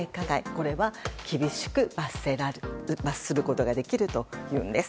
これは厳しく罰することができるというんです。